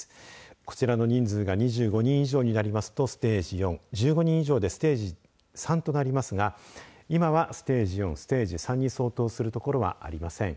こちらの人数が２５人以上になるとステージ４１５人以上でステージ３となりますが今はステージ４、ステージ３に相当する所はありません。